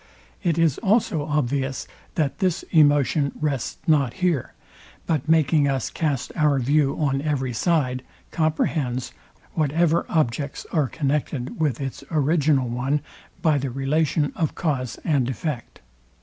It is also obvious, that this emotion rests not here, but making us cast our view on every side, comprehends whatever objects are connected with its original one by the relation of cause and effect.